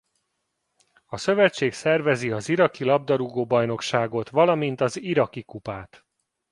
A szövetség szervezi a Iraki labdarúgó-bajnokságot valamint a Iraki kupát.